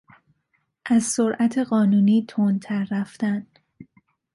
از سرعت قانونی تندتر رفتن